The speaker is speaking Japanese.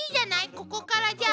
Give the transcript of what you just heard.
ここからじゃあ。